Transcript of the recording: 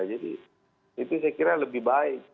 jadi itu saya kira lebih baik